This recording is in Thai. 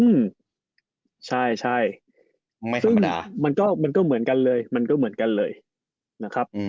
ไม่ธรรมดาเหมือนกันเลยมันก็เหมือนกันเลยนะครับ